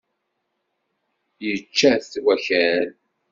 Yečča-t wakal.